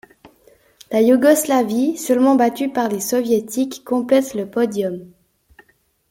La Yougoslavie, seulement battue par les Soviétiques complète le podium.